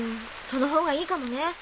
そのほうがいいかもね。